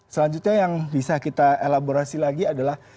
selanjutnya yang bisa kita elaborasi lagi adalah